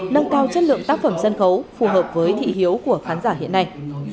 nâng cao chất lượng tác phẩm sân khấu phù hợp với thị hiếu của khán giả hiện nay